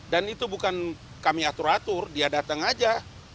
dan itu bukan kami atur atur dia datang saja